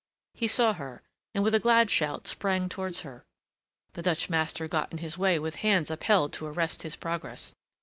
He saw her, and with a glad shout sprang towards her. The Dutch master got in his way with hands upheld to arrest his progress.